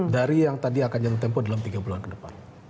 dari yang tadi akan jatuh tempo dalam tiga bulan ke depan